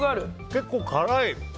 結構辛い。